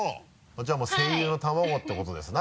じゃあ声優の卵ってことですな。